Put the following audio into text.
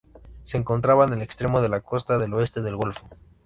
Se encontraba en el extremo de la costa del oeste del golfo.